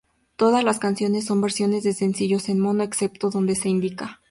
Todas las canciones son versiones de sencillos en mono, excepto donde se indica.